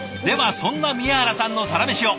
そんな宮原さんのサラメシを！